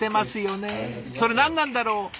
それ何なんだろう？